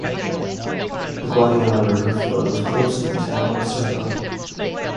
The Guadiana River flows close to the town of Serpa.